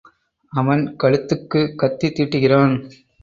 அவன் கழுத்துக்குக் கத்தி தீட்டுகிறான்.